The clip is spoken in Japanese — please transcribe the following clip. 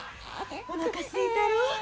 おなかすいたろう？